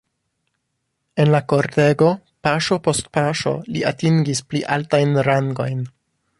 En la kortego paŝo post paŝo li atingis pli altajn rangojn.